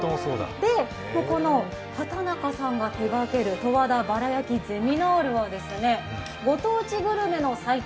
この畑中さんが手がける十和田バラ焼きゼミナールはご当地グルメの祭典